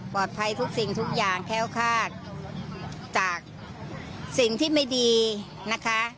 ปลอดภัยทุกสิ่งทุกอย่างแค่วจากสิ่งที่ไม่ดีนะคะ